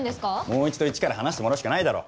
もう一度一から話してもらうしかないだろ。